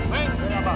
mauin sentuh ah